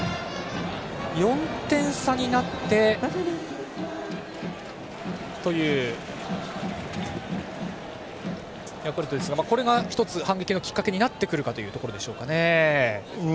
４点差になってというヤクルトですがこれが１つ、反撃のきっかけになるかというところでしょうか。